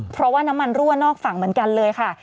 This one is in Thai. เพราะว่าน้ำมันรั่วนอกฝั่งเหมือนกันเลยค่ะ